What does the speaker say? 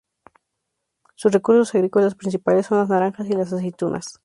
Sus recursos agrícolas principales son las naranjas y las aceitunas.